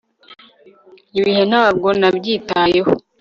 Ibihe Ntabwo nabyitayeho